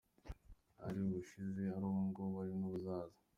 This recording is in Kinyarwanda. Ari ubushize, ari ubu ngubu, ari n’ubuzaza.